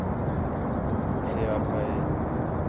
ٻُڈّھے آکھا ہِے